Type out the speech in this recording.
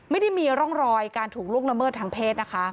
ไม่ได้มีร่องรอยการถูกล่วงละเมิดทางเพศนะคะ